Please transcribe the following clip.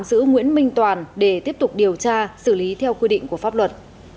giữ nguyễn minh toàn để tiếp tục điều tra xử lý theo quy định của pháp luật